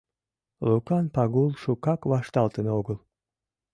— Лукан Пагул шукак вашталтын огыл.